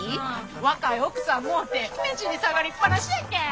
若い奥さんもうて目尻下がりっ放しやけん。